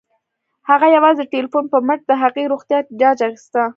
هغه یوازې د ټيليفون په مټ د هغې روغتيا جاج اخيسته